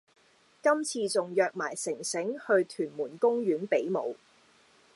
今次仲約埋城城去屯門公園比舞